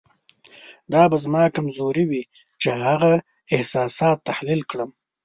دا به زما کمزوري وي چې هغه احساسات تحلیل کړم.